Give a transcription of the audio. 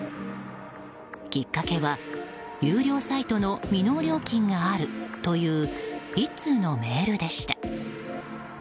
きっかけは有料サイトの未納料金があるという１通のメールでした。